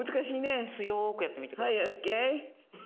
強くやってみてください。